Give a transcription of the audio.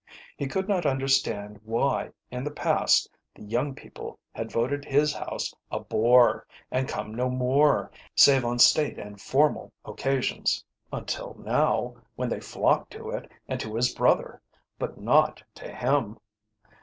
He could not understand why in the past the young people had voted his house a bore and come no more, save on state and formal occasions, until now, when they flocked to it and to his brother, but not to him.